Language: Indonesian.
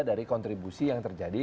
dari kontribusi yang terjadi